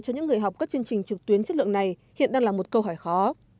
cho những người học các chương trình trực tuyến chất lượng này hiện đang là một câu hỏi khó